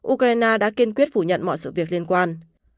ukraine đã kiên quyết phủ nhận mọi sự việc liên quan